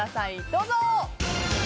どうぞ。